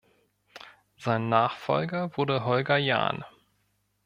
Sein Nachfolger wurde Holger Jahn.